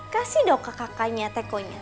kasih dong kakaknya tekonya